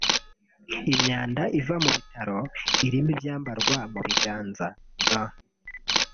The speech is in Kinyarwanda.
Imyanda iva mu bitaro irimo ibyambarwa mu biganza (gants)